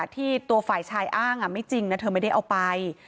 ที่ตัวฝ่ายชายอ้างไม่จริงนะเธอไม่ได้เอาไป